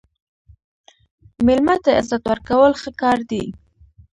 مېلمه ته عزت ورکول ښه کار دی.